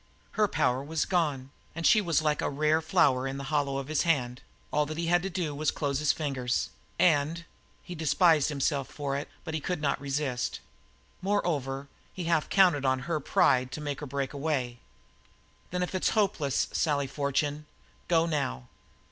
Her power seemed gone, and she was like a rare flower in the hollow of his hand; all that he had to do was to close his fingers, and He despised himself for it, but he could not resist. Moreover, he half counted on her pride to make her break away. "Then if it's hopeless, Sally Fortune, go now."